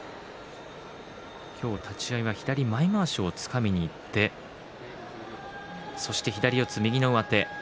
今日、立ち合い左前まわしをつかみにいってそして左四つ右の上手。